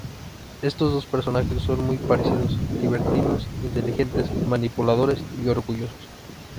Estos dos personajes son muy parecidos: libertinos, inteligentes, manipuladores y orgullosos.